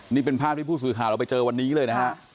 นี่เป็นภาพที่ผู้สื่อข่าวเราไปเจอวันนี้เลยนะฮะ